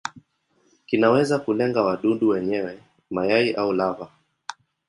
Kinaweza kulenga wadudu wenyewe, mayai au lava.